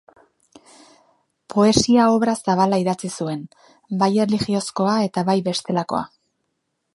Poesia-obra zabala idatzi zuen, bai erlijiozkoa eta bai bestelakoa.